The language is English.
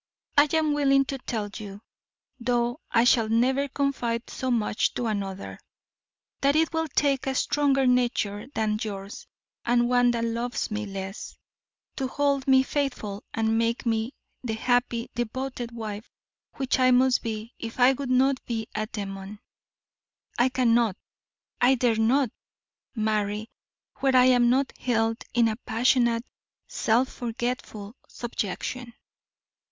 I am willing to tell YOU, though I shall never confide so much to another, that it will take a stronger nature than yours, and one that loves me less, to hold me faithful and make me the happy, devoted wife which I must be if I would not be a demon. I cannot, I dare not, marry where I am not held in a passionate, self forgetful subjection.